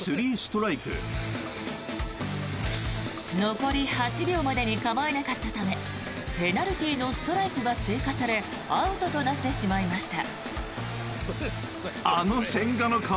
残り８秒までに構えなかったためペナルティーのストライクが追加されアウトとなってしまいました。